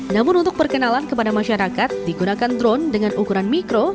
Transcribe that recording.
namun untuk perkenalan kepada masyarakat digunakan drone dengan ukuran mikro